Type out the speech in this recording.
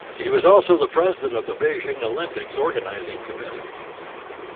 He was also the President of the Beijing Olympics Organizing Committee.